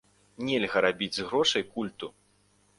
Нельга рабіць з грошай культу.